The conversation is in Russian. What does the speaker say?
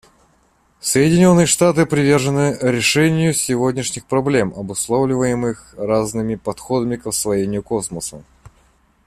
Соединенные Штаты привержены решению сегодняшних проблем, обусловливаемых разными подходами к освоению космоса.